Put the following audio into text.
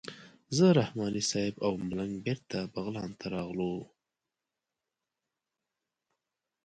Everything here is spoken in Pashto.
زه رحماني صیب او ملنګ بېرته بغلان ته راتللو.